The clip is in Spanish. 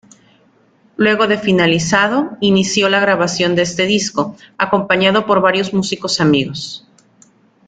Luego de finalizado inició la grabación de este disco, acompañado por varios músicos amigos.